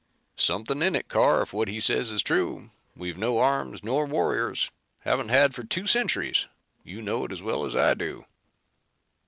"Something in it, Carr, if what he says is true. We've no arms nor warriors. Haven't had for two centuries. You know it as well as I do."